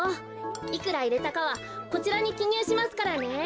いくらいれたかはこちらにきにゅうしますからね。